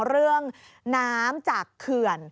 เรื่องน้ำจากเขื่อน